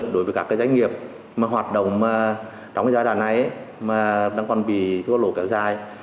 đối với các doanh nghiệp hoạt động trong giai đoạn này mà đang còn bị thua lỗ kéo dài